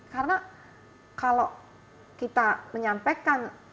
karena kalau kita menyampaikan